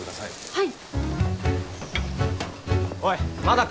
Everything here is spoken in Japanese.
はい！